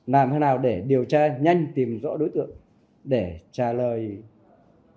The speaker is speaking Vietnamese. làm thế nào để điều tra nhanh tìm rõ đối tượng để trả lời dư luận nhân dân